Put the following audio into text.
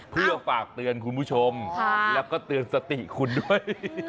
เพื่อฝากเตือนคุณผู้ชมแล้วก็เตือนสติคุณด้วย